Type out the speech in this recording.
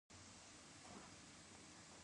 په افغانستان کې د کندز سیند ډېرې منابع شته.